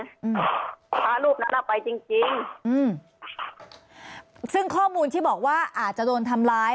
อืมพระรูปนั้นน่ะไปจริงจริงอืมซึ่งข้อมูลที่บอกว่าอาจจะโดนทำร้าย